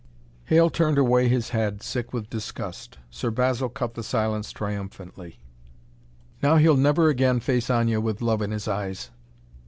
Hale turned away his head, sick with disgust. Sir Basil cut the silence triumphantly: "Now he'll never again face Aña with love in his eyes!"